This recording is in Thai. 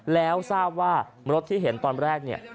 แล้วทราบว่ารถที่เห็นตอนแรกเนี่ย